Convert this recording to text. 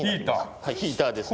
はいヒーターですね。